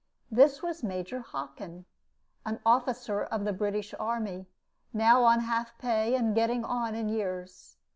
This was Major Hockin, an officer of the British army, now on half pay, and getting on in years.